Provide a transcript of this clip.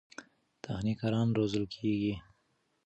تخنیکران روزل کېږي.